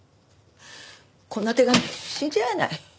こんな手紙信じられない。